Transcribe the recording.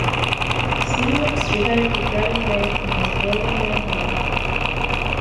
Sinowatz retired to private life in his Burgenland home.